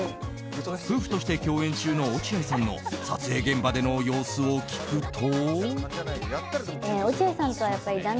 夫婦として共演中の落合さんの撮影現場での様子を聞くと。